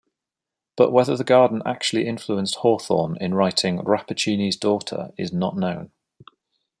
But whether the garden actually influenced Hawthorne in writing "Rappaccini's Daughter" is not known.